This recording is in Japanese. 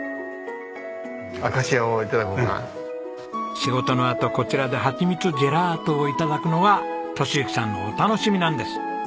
仕事のあとこちらではちみつジェラートを頂くのが敏之さんのお楽しみなんです。